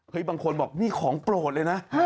บางคนบอกนี่ของโปรดเลยนะ